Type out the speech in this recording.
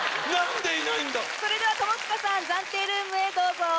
それでは友近さん暫定ルームへどうぞ。